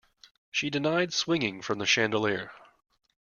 She denied swinging from the chandelier.